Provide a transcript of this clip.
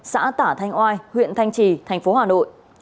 xã tả thanh oai huyện thanh trì tp hà nội